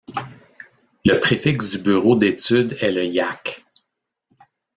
Le préfixe du bureau d'étude est le Yak.